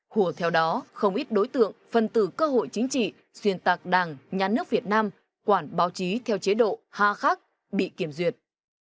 hùa theo đó không ít đối tượng phân tử cơ hội chính trị xuyên tạc đảng nhà nước việt nam quản báo chí theo chế độ ha khắc bị kiểm duyệt